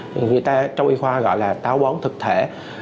người ta trong y khoa gọi là táo bón thực thể